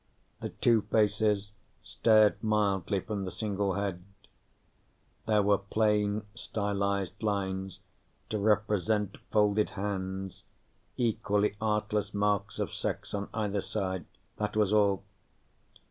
The two faces stared mildly from the single head; there were plain stylized lines to represent folded hands, equally artless marks of sex on either side. That was all.